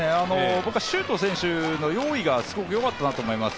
周東選手の用意がすごくよかったなと思います。